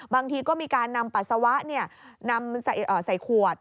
บางทีก็มีการนำปัสสาวะนำใส่ขวด